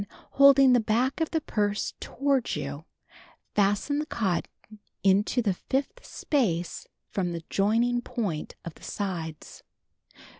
Holding the back of the purse toward you, fasten the cotton into the fifth space from the joining point of the sides.